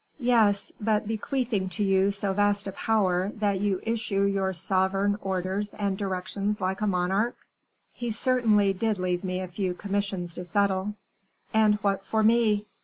"Yes; but bequeathing to you so vast a power that you issue your sovereign orders and directions like a monarch." "He certainly did leave me a few commissions to settle." "And what for me?"